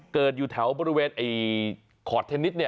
เกิดอยู่แถวบริเวณขอดเทนนิส